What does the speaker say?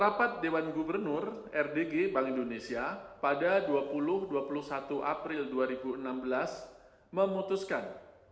rapat dewan gubernur rdg bank indonesia pada dua puluh dua puluh satu april dua ribu enam belas memutuskan